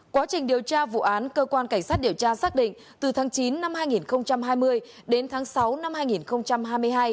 quá trình điều tra vụ án cơ quan cảnh sát điều tra xác định từ tháng chín năm hai nghìn hai mươi đến tháng sáu năm hai nghìn hai mươi hai